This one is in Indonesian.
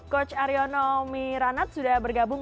coach aryono miranat sudah bergabung